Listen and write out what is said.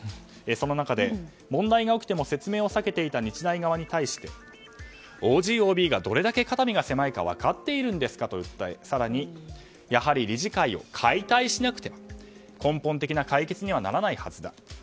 その中で問題が起きても説明を避けていた日大側に対してＯＧ、ＯＢがどれだけ肩身が狭いか分かっているんですかと訴え更に理事会を解体しなくては根本的な解決にはならないはずだ。